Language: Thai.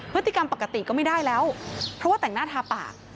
พฤติกรรมปกติก็ไม่ได้แล้วเพราะว่าแต่งหน้าทาปาก